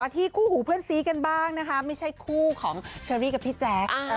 ที่คู่หูเพื่อนซีกันบ้างนะคะไม่ใช่คู่ของเชอรี่กับพี่แจ๊ค